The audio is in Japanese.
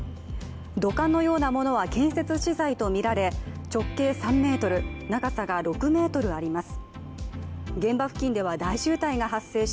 土管のようなものは、建設資材とみられ直径３ｍ、長さが６ｍあります。